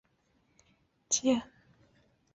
阿塔罗斯柱廊兴建。